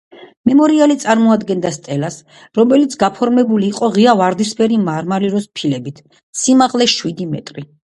მემორიალი წარმოადგენდა სტელას, რომელიც გაფორმებული იყო ღია ვარდისფერი მარმარილოს ფილებით, სიმაღლე შვიდი მეტრი.